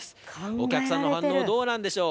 お客さんの反応、どうなんでしょう。